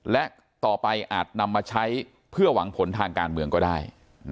และต่อไปอาจนำมาใช้เพื่อหวังผลทางการเมืองก็ได้